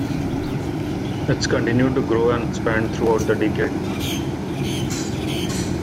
It continued to grow and expand throughout the decade.